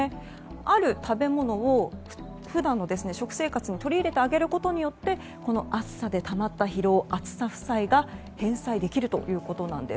ある食べ物を普段の食生活に取り入れてあげることによってこの暑さでたまった疲労暑さ負債が返済できるということなんです。